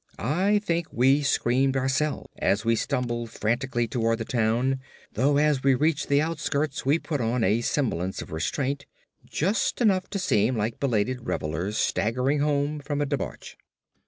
I think we screamed ourselves as we stumbled frantically toward the town, though as we reached the outskirts we put on a semblance of restraint—just enough to seem like belated revellers staggering home from a debauch.